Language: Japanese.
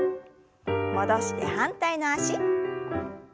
戻して反対の脚。